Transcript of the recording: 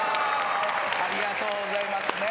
ありがとうございます。